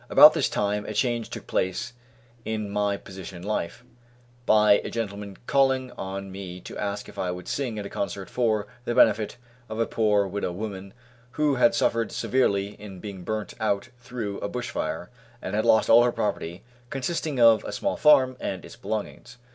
About this time a change took place in my position in life, by a gentleman calling on me to ask if I would sing at a concert for the benefit of a poor widow woman, who had suffered severely in being burnt out through a bush fire, and had lost all her property, consisting of a small farm and its belongings.